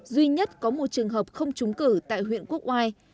duy nhất có một trường hợp không trúng cử tại huyện quốc oai